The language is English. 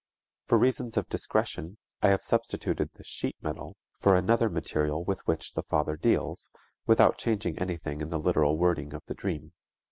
For reasons of discretion I have substituted the "sheet metal" for another material with which the father deals, without changing anything in the literal wording of the dream.